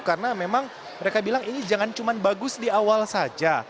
karena memang mereka bilang ini jangan cuma bagus di awal saja